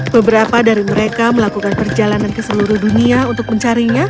beberapa dari mereka melakukan perjalanan ke seluruh dunia untuk mencarinya